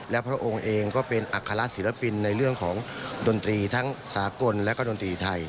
และพระองค์เองก็เป็นอัครศิลปินในเรื่องของดนตรีทั้งสากลและก็ดนตรีไทย